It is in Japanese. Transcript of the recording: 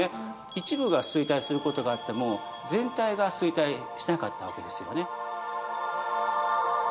一部が衰退することがあっても全体が衰退しなかったわけですよね。